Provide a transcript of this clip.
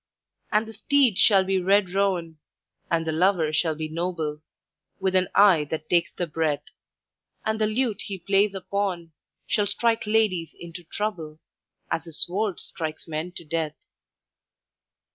"And the steed shall be red roan, And the lover shall be noble, With an eye that takes the breath. And the lute he plays upon, Shall strike ladies into trouble, As his sword strikes men to death.